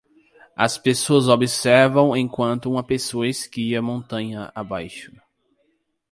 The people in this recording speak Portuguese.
As pessoas observam enquanto uma pessoa esquia montanha abaixo.